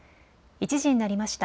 １時になりました。